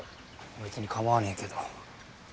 別に構わねえけど。